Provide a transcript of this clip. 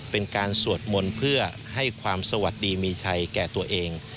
เป็นการสวดมนต์เพื่อให้ความสวัสดีมีชัยแก่ตัวเอง